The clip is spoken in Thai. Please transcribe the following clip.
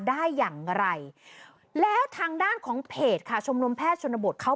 ได้อย่างไรแล้วทางด้านของเพจค่ะชมรมแพทย์ชนบทเขา